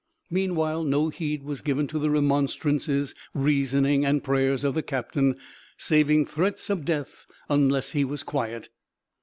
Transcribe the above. Meanwhile, no heed was given to the remonstrances, reasoning, and prayers of the captain, saving threats of death unless he was quiet.